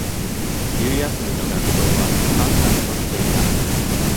冬休みの学校は、閑散としていた。